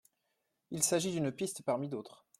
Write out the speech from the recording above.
Il s’agit d’une piste parmi d’autres.